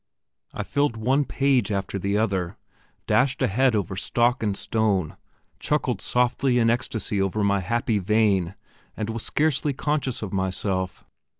I filled one page after the other, dashed ahead over stock and stone, chuckled softly in ecstasy over my happy vein, and was scarcely conscious of myself.